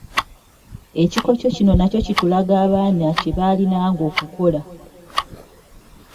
Ekikokyo kino nakyo kitulaga abaana kye baalinanga okukola.